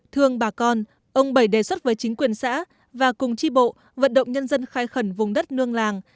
thương bà con ông bảy đề xuất với chính quyền xã và cùng chi bộ vận động nhân dân khai khẩn vùng đất nương làng